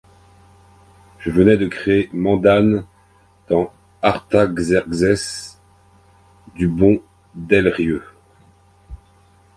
Je venais de créer Mandane dans Artaxerxès, du bon Delrieu.